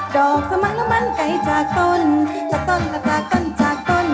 ดอกสมันไก่จากต้นจากต้นมาจากต้นจากต้น